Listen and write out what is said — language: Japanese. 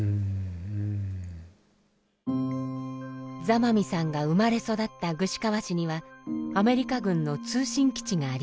座間味さんが生まれ育った具志川市にはアメリカ軍の通信基地がありました。